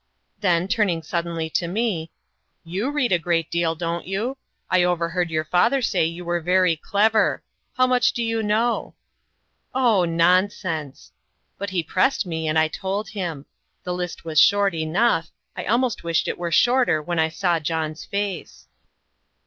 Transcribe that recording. Then, turning suddenly to me: "You read a great deal, don't you? I overheard your father say you were very clever. How much do you know?" "Oh nonsense!" But he pressed me, and I told him. The list was short enough; I almost wished it were shorter when I saw John's face.